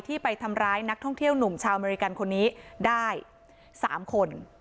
ไปทำร้ายนักท่องเที่ยวหนุ่มชาวอเมริกันคนนี้ได้๓คน